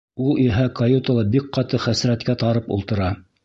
Ул иһә каютала бик ҡаты хәсрәткә тарып ултыра.